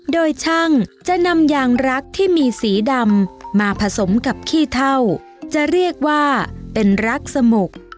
โดยช่างจะนำยางรักที่มีสีดำมาผสมกับขี้เท่าจะเรียกว่าเป็นรักสมุก